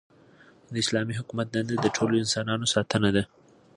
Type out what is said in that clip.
د اسلامي حکومت دنده د ټولو انسانانو ساتنه ده.